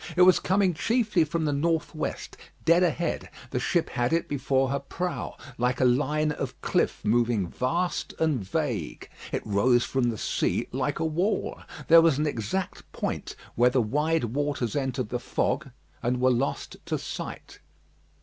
It was coming chiefly from the north west, dead ahead: the ship had it before her prow, like a line of cliff moving vast and vague. It rose from the sea like a wall. There was an exact point where the wide waters entered the fog, and were lost to sight.